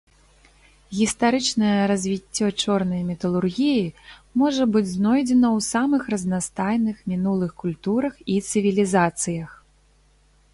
Гістарычнае развіццё чорнай металургіі можа быць знойдзена ў самых разнастайных мінулых культурах і цывілізацыях.